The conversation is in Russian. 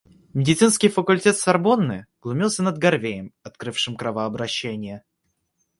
Медицинский факультет Сорбонны глумился над Гарвеем, открывшим кровообращение.